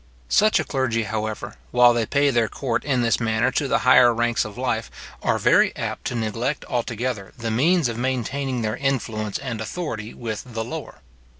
Such a clergy, however, while they pay their court in this manner to the higher ranks of life, are very apt to neglect altogether the means of maintaining their influence and authority with the lower.